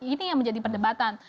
ini yang menjadi perdebatan